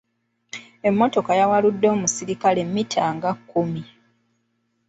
Emmotoka yawaludde omusirikale mmita nga kkumi.